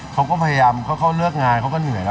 เขาก็พยายามเขาเลือกงานเขาก็เหนื่อยแล้ว